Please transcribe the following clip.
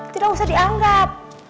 tidak usah dianggap